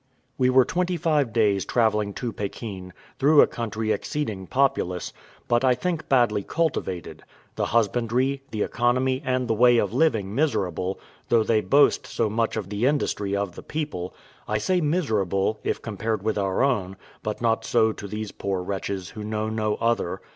We were twenty five days travelling to Pekin, through a country exceeding populous, but I think badly cultivated; the husbandry, the economy, and the way of living miserable, though they boast so much of the industry of the people: I say miserable, if compared with our own, but not so to these poor wretches, who know no other.